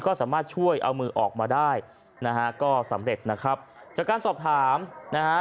ก็สามารถช่วยเอามือออกมาได้นะฮะก็สำเร็จนะครับจากการสอบถามนะฮะ